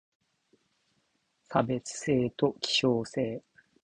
差別性と希少性